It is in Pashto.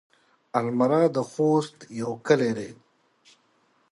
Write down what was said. المره د خوست يو کلی دی.